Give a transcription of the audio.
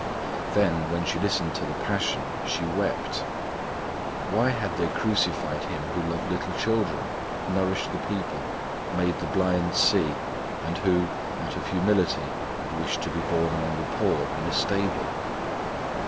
Then, when she listened to the Passion, she wept. Why had they crucified Him who loved little children, nourished the people, made the blind see, and who, out of humility, had wished to be born among the poor, in a stable?